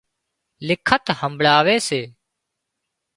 لکت همڀۯاوي سي